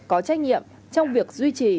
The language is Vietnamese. có trách nhiệm trong việc duy trì